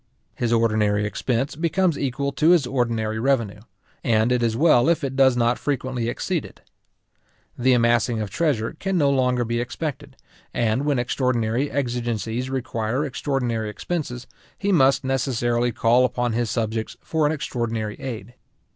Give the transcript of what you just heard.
His ordinary expense becomes equal to his ordinary revenue, and it is well if it does not frequently exceed it. The amassing of treasure can no longer be expected; and when extraordinary exigencies require extraordinary expenses, he must necessarily call upon his subjects for an extraordinary aid.